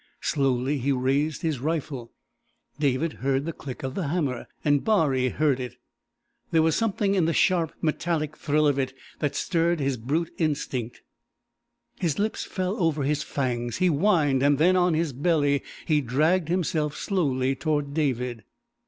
Slowly he raised his rifle; David heard the click of the hammer and Baree heard it. There was something in the sharp, metallic thrill of it that stirred his brute instinct. His lips fell over his fangs, he whined, and then, on his belly, he dragged himself slowly toward David!